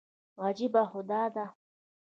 عجیبه خو دا ده.